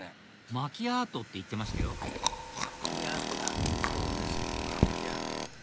マキアートって言ってましたよマキアートだそうですよマキアート。